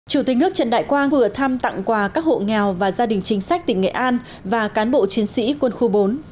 chủ tịch nước trần đại quang vừa thăm tặng quà các hộ nghèo và gia đình chính sách tỉnh nghệ an và cán bộ chiến sĩ quân khu bốn